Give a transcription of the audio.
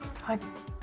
はい。